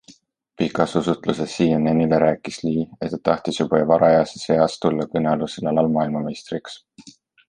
Pikas usutluses CNNile rääkis Lee, et ta tahtis juba varajases eas tulla kõnealusel alal maailmameistriks.